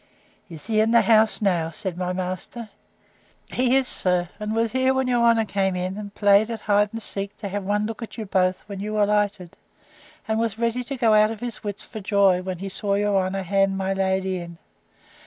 Is he in the house now? said my master. He is, sir; and was here when your honour came in, and played at hide and seek to have one look at you both when you alighted; and was ready to go out of his wits for joy, when we saw your honour hand my lady in.